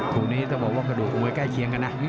คู่นี้ต้องบอกว่ากระดูกมวยใกล้เคียงกันนะ